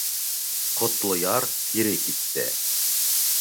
Ҡотлояр кире китте.